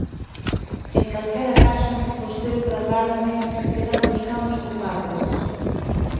En calquera caso, vostede trasládame que nós buscamos culpables.